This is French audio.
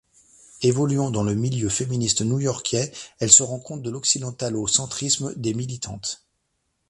Évoluant dans le milieu féministe new-yorkais, elle se rend compte de l'occidentalo-centrisme des militantes.